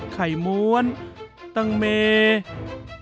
ไข่ม้วนตังเม